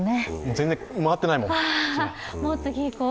全然回ってないもん、口が。